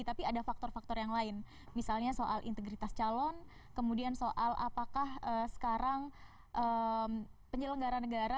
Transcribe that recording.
tapi ada faktor faktor yang lain misalnya soal integritas calon kemudian soal apakah sekarang penyelenggara negara